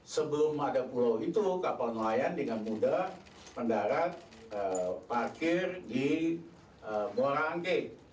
sebelum ada pulau itu kapal nelayan dengan mudah mendarat parkir di muara angke